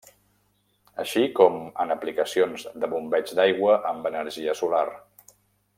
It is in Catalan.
Així com en aplicacions de bombeig d'aigua amb energia solar.